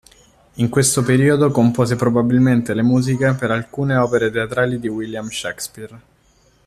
In questo periodo compose probabilmente le musiche per alcune opere teatrali di William Shakespeare.